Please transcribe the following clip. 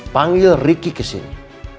panggil riki kesini